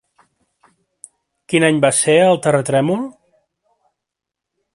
Quin any va ser el terratrèmol?